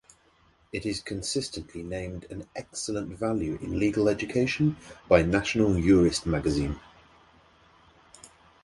It is consistently named an "excellent value" in legal education by National Jurist Magazine.